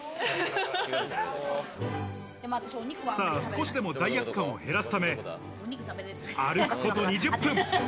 少しでも罪悪感を減らすため、歩くこと２０分。